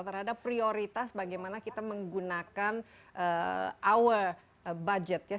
terhadap prioritas bagaimana kita menggunakan our budget ya